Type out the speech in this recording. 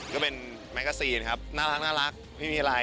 ก็เป็นแมกกาซีนครับน่ารักไม่มีอะไร